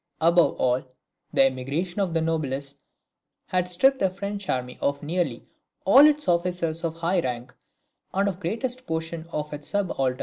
Above all, the emigration of the noblesse had stripped the French army of nearly all its officers of high rank, and of the greatest portion of its subalterns.